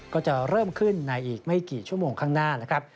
ก็จะเริ่มขึ้นในอีกไม่กี่ชั่วโมงข้างหน้านะครับ